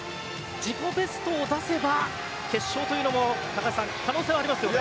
自己ベストを出せば決勝というのも高橋さん可能性はありますよね。